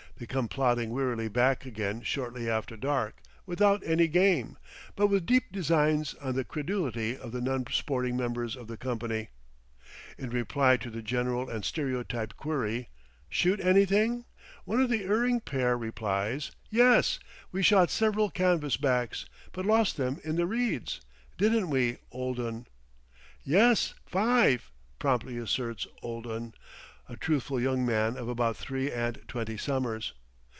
They come plodding wearily back again shortly after dark, without any game, but with deep designs on the credulity of the non sporting members of the company. In reply to the general and stereotyped query, "Shoot anything?" one of the erring pair replies, "Yes, we shot several canvas backs, but lost them in the reeds; didn't we, old un?" "Yes, five," promptly asserts "old un," a truthful young man of about three and twenty summers.